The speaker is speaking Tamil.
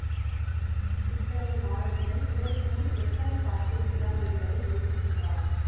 இத்தகைய மாறுதல்கள் இதற்குமுன் எத்தனை பார்த்திருக்கிறாய் என்பதை யோசித்துப்பார்.